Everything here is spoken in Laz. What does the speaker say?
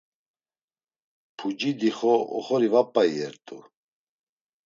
Puci dixo oxori va p̌a iyert̆u.